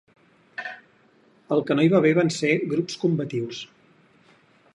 El que no hi va haver van ser grups combatius.